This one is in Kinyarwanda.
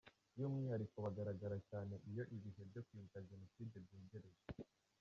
By’umwihariko bagaragara cyane iyo ibihe byo kwibuka Jenoside byegereje.